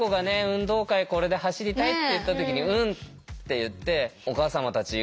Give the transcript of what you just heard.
「運動会これで走りたい？」って言った時に「うん」って言ってお母様たちうれしかったと思うし。